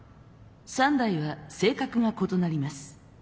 ３台は性格が異なります。